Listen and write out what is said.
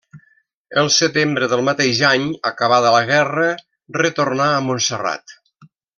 El setembre del mateix any, acabada la guerra, retornà a Montserrat.